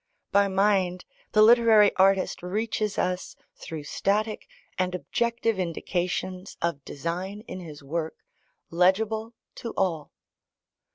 By mind, the literary artist reaches us, through static and objective indications of design in his work, legible to all.